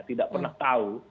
tidak pernah tahu